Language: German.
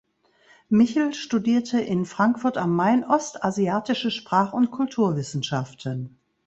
Michel studierte in Frankfurt am Main ostasiatische Sprach- und Kulturwissenschaften.